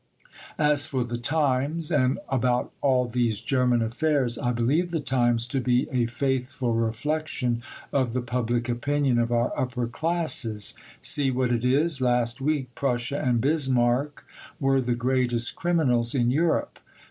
As for the Times and about all these German affairs I believe the Times to be a faithful reflection of the public opinion of our upper classes: see what it is. Last week Prussia and Bismarck were the greatest criminals in Europe.